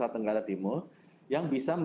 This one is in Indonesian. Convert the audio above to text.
tenggara timur yang bisa